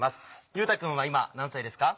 結太くんは今何歳ですか？